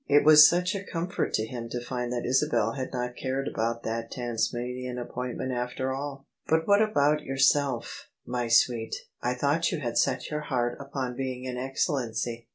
It was such a comfort to him to find that Isabel had not cared about that Tasmanian appointment after all !" But what about your OF ISABEL CARNABY sdf, my sweet? I thought you had set your heart upon being an Excellenqr?